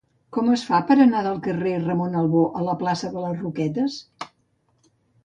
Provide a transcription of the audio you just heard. Com es fa per anar del carrer de Ramon Albó a la plaça de les Roquetes?